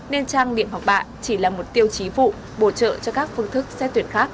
nên trang điểm học bạ chỉ là một tiêu chí vụ bổ trợ cho các phương thức xét tuyển khác